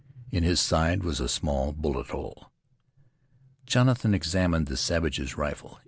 In his side was a small bullet hole. Jonathan examined the savage's rifle.